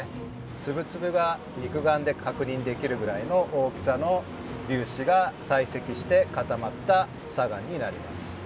粒々が肉眼で確認できるぐらいの大きさの粒子が堆積して固まった砂岩になります。